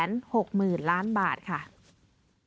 ของมูลค่าความเสียหายอยู่ที่ประมาณ๓๕๐๐๐ล้านบาท